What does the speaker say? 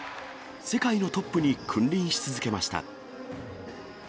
世界のトップに君臨し続けました。